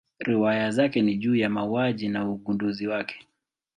Riwaya zake ni juu ya mauaji na ugunduzi wake.